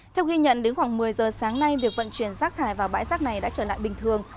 theo ghi nhận đến khoảng một mươi giờ sáng nay việc vận chuyển rác thải vào bãi rác này đã trở lại bình thường